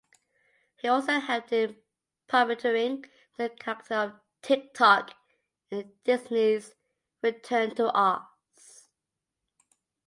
He also helped in puppeteering the character of Tik-Tok in Disney's "Return to Oz".